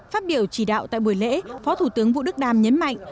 phát biểu chỉ đạo tại buổi lễ phó thủ tướng vũ đức đam nhấn mạnh